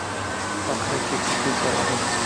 Baqira ketdi ko`zlari olayib